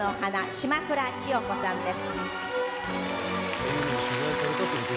島倉千代子さんです。